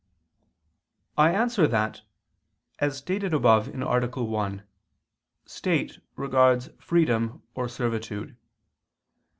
I answer that, As stated above (A. 1) state regards freedom or servitude.